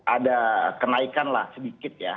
ada kenaikan sedikit